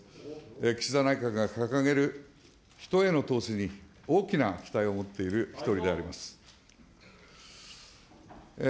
岸田内閣が掲げる人への投資に大きな期待を持っている一人であります。